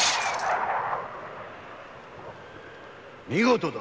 ・見事だ！